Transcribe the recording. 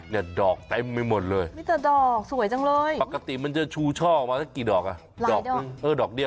ไหนไหนอ่ะเนี่ยดอกมาไม่หมดเลย